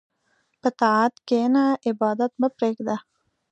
په طاعت کښېنه، عبادت مه پرېږده.